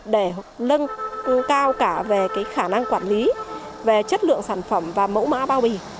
để nâng cao cả về khả năng quản lý về chất lượng sản phẩm và mẫu mã bao bì